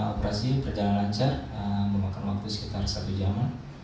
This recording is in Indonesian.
operasi berjalan lancar memakan waktu sekitar satu jam